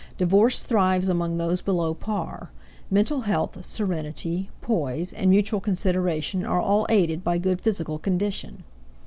Divorce thrives among those below par; mental health, serenity, poise, and mutual consideration are all aided by good physical condition.